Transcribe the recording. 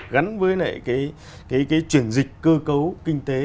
gắn với cái chuyển dịch cơ cấu kinh tế